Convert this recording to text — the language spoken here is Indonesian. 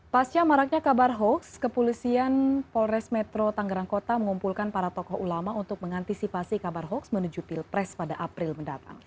pasca maraknya kabar hoax kepolisian polres metro tanggerang kota mengumpulkan para tokoh ulama untuk mengantisipasi kabar hoax menuju pilpres pada april mendatang